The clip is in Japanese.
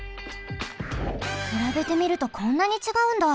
くらべてみるとこんなにちがうんだ。